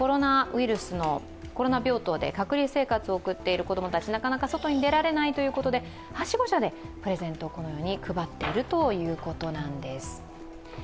コロナ病棟で隔離生活を送っている子供たちがなかなか外に出られないということではしご車でプレゼントを配っているということなんです。